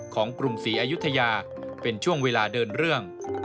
ของกลุ่มศรีอยุธยาเป็นช่วงเวลาเดินเรื่อง